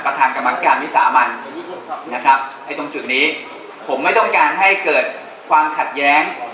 กรรมการวิสามันนะครับไอ้ตรงจุดนี้ผมไม่ต้องการให้เกิดความขัดแย้ง